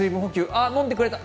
あっ、飲んでくれた。